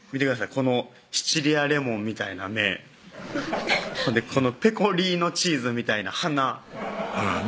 このシチリアレモンみたいな目このペコリーノチーズみたいな鼻鼻ね